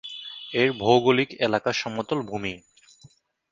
এর ভৌগোলিক এলাকা সমতল ভূমি।